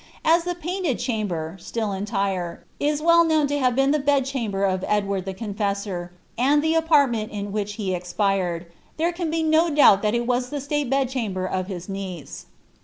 As the Painted Chamber, still entire, is well known to have been the bedchamber of Edward the Confessor, and the apartment in which he expired,* there can be no doubt but that it was the state bedchamber of his niece.